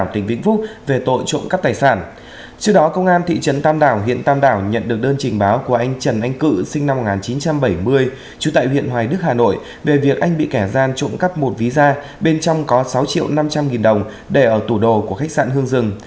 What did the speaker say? trước đó công an thị trấn tam đảo huyện tam đảo nhận được đơn trình báo của anh trần anh cự sinh năm một nghìn chín trăm bảy mươi chủ tại huyện hoài đức hà nội về việc anh bị kẻ gian trộm cắp một ví da bên trong có sáu triệu năm trăm linh nghìn đồng để ở tủ đồ của khách sạn hương rừng